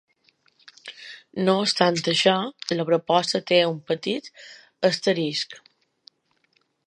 No obstant això, la proposta té un petit asterisc.